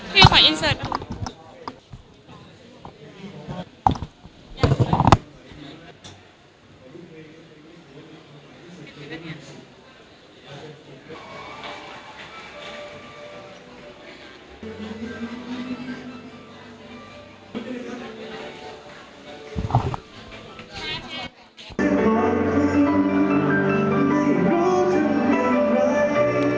น่ารักคือไม่รู้ที่เป็นไร